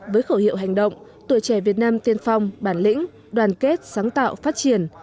với khẩu hiệu hành động tuổi trẻ việt nam tiên phong bản lĩnh đoàn kết sáng tạo phát triển